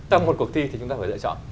trong một cuộc thi thì chúng ta phải lựa chọn